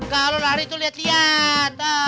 kalau lari tuh liat liat